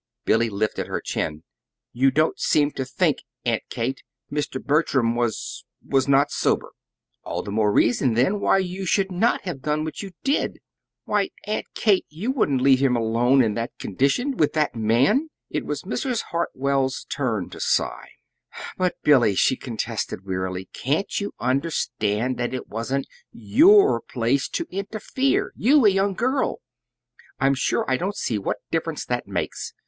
Billy lifted her chin. "You don't seem to think, Aunt Kate; Mr. Bertram was was not sober." "All the more reason then why you should NOT have done what you did!" "Why, Aunt Kate, you wouldn't leave him alone in that condition with that man!" It was Mrs. Hartwell's turn to sigh. "But, Billy," she contested, wearily, "can't you understand that it wasn't YOUR place to interfere you, a young girl?" "I'm sure I don't see what difference that makes.